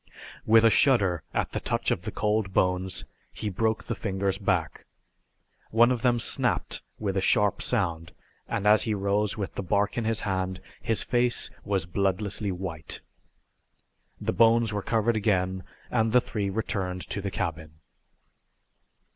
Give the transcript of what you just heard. With a shudder at the touch of the cold bones he broke the fingers back. One of them snapped with a sharp sound, and as he rose with the bark in his hand his face was bloodlessly white. The bones were covered again and the three returned to the cabin.